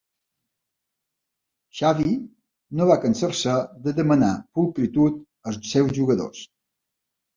Xavi no va cansar-se de demanar "pulcritud" als seus jugadors.